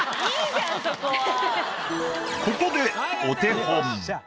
ここでお手本。